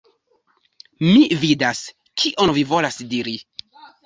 Mi vidas, kion vi volas diri.